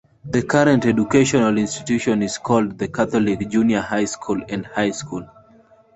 The current educational institution is called the Catholic Junior High School and High School.